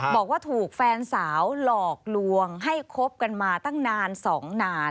บอกว่าถูกแฟนสาวหลอกลวงให้คบกันมาตั้งนาน๒นาน